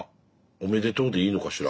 おめでとうでいいのかしら？